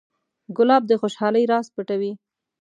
ګلاب د خوشحالۍ راز پټوي.